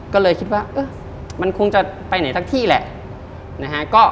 ก็เลยคิดว่ามันคงจะไปไหนทั้งที่แหละ